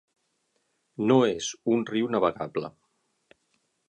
No és un riu navegable.